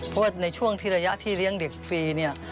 เพราะว่าในช่วงระยะที่เลี้ยงเด็กฟรี